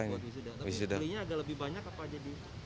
tapi belinya agak lebih banyak apa aja di